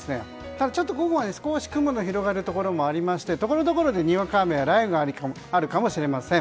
ただ、ちょっと午後は雲が広がるところもありましてところどころでにわか雨や雷雨があるかもしれません。